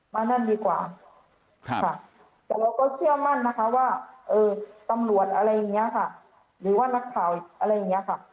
นั่นดีกว่าค่ะแต่เราก็เชื่อมั่นนะคะว่าตำรวจอะไรอย่างนี้ค่ะหรือว่านักข่าวอะไรอย่างนี้ค่ะ